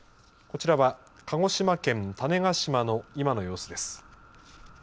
こちらは鹿児島県種子島の今の様子です。